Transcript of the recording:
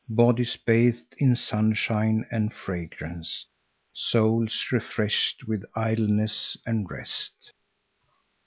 Bodies bathed in sunshine and fragrance, souls refreshed with idleness and rest.